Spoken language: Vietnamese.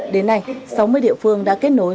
đến nay sáu mươi địa phương đã kết nối